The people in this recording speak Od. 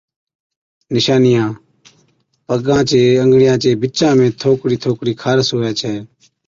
نِشانِيان، پگان چي انگڙِيان چي بِچا ۾ ٿوڪڙِي ٿوڪڙِي خارس هُوَي ڇَي۔